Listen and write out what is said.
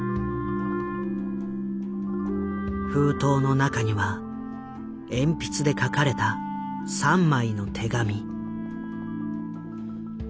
封筒の中には鉛筆で書かれた３枚の手紙。